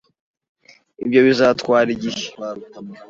Ibyo bizatwara igihe.